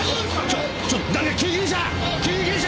ちょっと誰か救急車！